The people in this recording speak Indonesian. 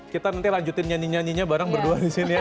kita nanti lanjutin nyanyi nyanyinya bareng berdua disini ya